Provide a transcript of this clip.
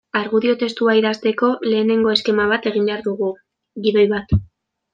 Argudio testua idazteko lehenengo eskema bat egin dugu, gidoi bat.